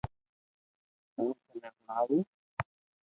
ھون ٿني ھڻاو